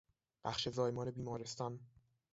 بخش زایمان بیمارستان